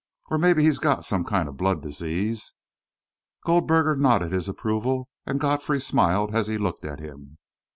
Or maybe he's got some kind of blood disease." Goldberger nodded his approval, and Godfrey smiled as he looked at him.